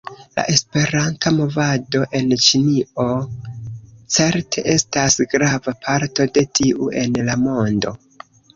La Esperanta movado en Ĉinio certe estas grava parto de tiu en la mondo.